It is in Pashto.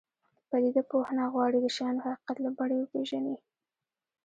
پدیده پوهنه غواړي د شیانو حقیقت له بڼې وپېژني.